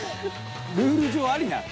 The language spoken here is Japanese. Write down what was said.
「ルール上ありなの？」